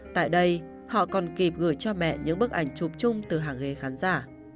tại đây họ còn kịp gửi cho mẹ những bức ảnh chụp chung từ hàng ghế khán giả